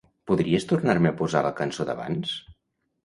Podries tornar-me a posar la cançó d'abans?